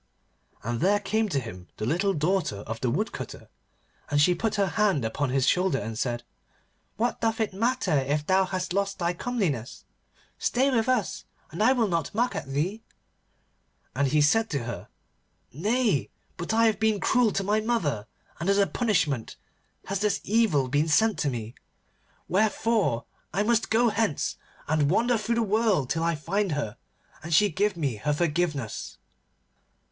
And there came to him the little daughter of the Woodcutter, and she put her hand upon his shoulder and said, 'What doth it matter if thou hast lost thy comeliness? Stay with us, and I will not mock at thee.' And he said to her, 'Nay, but I have been cruel to my mother, and as a punishment has this evil been sent to me. Wherefore I must go hence, and wander through the world till I find her, and she give me her forgiveness.